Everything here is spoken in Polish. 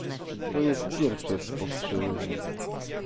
To jest pierwsze spostrzeżenie